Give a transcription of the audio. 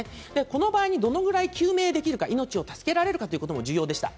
この場合にどのぐらい救命できるか、命を助けられるかということが重要でした。